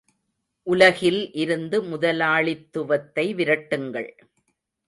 உலகில் இருந்து முதலாளித்துவத்தை விரட்டுங்கள்.